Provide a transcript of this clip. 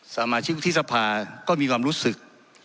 สามทดิบที่สภาก็มีความรู้สึก